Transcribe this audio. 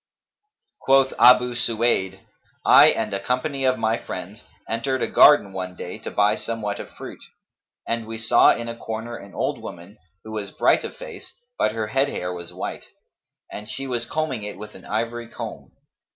Quoth Abu Suwayd, "I and a company of my friends, entered a garden one day to buy somewhat of fruit; and we saw in a corner an old woman, who was bright of face, but her head hair was white, and she was combing it with an ivory comb.